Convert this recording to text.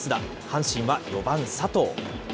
阪神は４番佐藤。